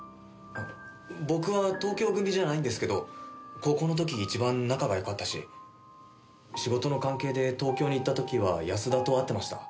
僕は東京組じゃないんですけど高校の時一番仲がよかったし仕事の関係で東京に行った時は安田と会ってました。